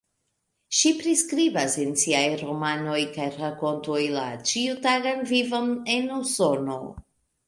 Ŝi priskribas en siaj romanoj kaj rakontoj la ĉiutagan vivon en Usono.